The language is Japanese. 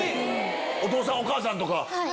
お父さんお母さんとか。